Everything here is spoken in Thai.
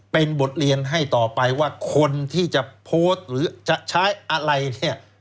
เป็นบทเรียนให้ต่อไปว่าคนที่จะโพสต์หรือจะใช้อะไรเนี่ย